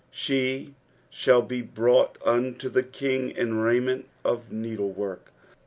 Sht thall be brought vnia t/ie kiiig in raiment of jieedleicork.'"